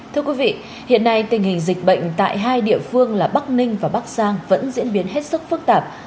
thưa quý vị hiện nay tình hình dịch bệnh tại hai địa phương là bắc ninh và bắc giang vẫn diễn biến hết sức phức tạp